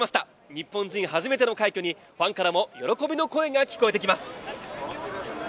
日本人初めての快挙に、ファンからも喜びの声が聞こえてきます。